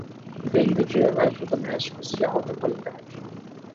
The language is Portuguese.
Venda de eletrodomésticos de alta qualidade